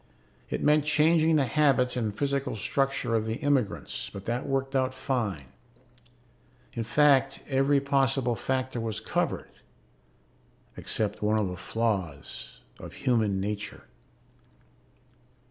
It meant changing the habits and physical structure of the immigrants, but that worked out fine. In fact, every possible factor was covered except one of the flaws of human nature....